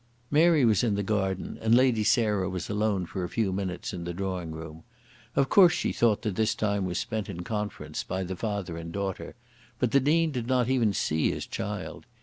Mary was in the garden, and Lady Sarah was alone for a few minutes in the drawing room. Of course she thought that this time was spent in conference by the father and daughter; but the Dean did not even see his child.